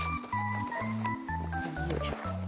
よいしょ。